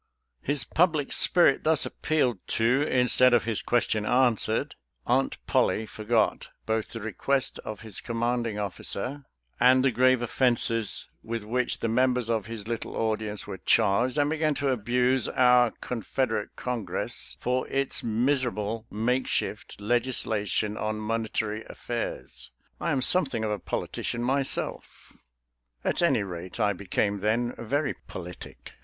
His public spirit thus appealed to, instead of his question answered. Aunt PoUie forgot both the request of his commanding officer and the grave offenses with which the members of his little audience were charged, and began to abuse our Confederate Congress for its miserable makeshift legislation on monetary affairs. I am something of a politician myself — at any rate, I became, then, very politic.